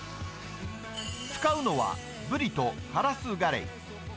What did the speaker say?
使うのは、ブリとカラスガレイ。